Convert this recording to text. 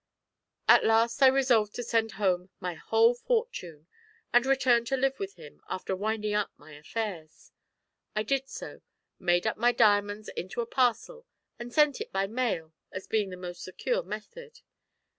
At last I resolved to send home my whole fortune, and return to live with him, after winding up my affairs. I did so: made up my diamonds into a parcel, and sent it by mail as being the most secure method.